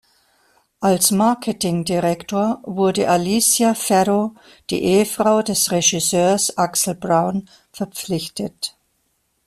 Als Marketing Director wurde Alicia Ferro, die Ehefrau des Regisseurs Axel Braun verpflichtet.